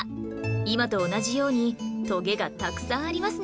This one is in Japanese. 今と同じようにトゲがたくさんありますね